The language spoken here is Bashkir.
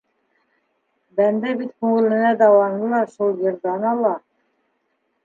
Бәндә бит күңеленә дауаны ла шул йырҙан ала.